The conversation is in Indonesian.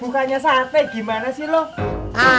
mukanya sate gimana sih loh